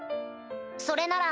それなら。